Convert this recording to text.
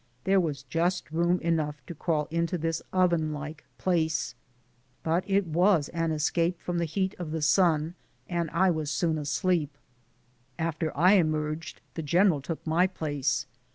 There was just room enough to crawl into this oven like place, but it was an escape from the heat of the sun, and I was soon asleep. After I emerged the general took my place.